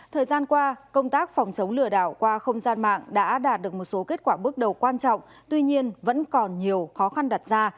thời gian qua công tác phòng chống lừa đảo qua không gian mạng đã đạt được một số kết quả bước đầu quan trọng tuy nhiên vẫn còn nhiều khó khăn đặt ra